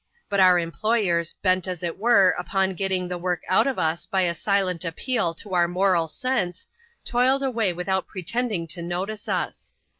But our employers, bent, as it were, upon getting the work out of us by a silent appeal to our moral sense, toiled away without pretending to notice us.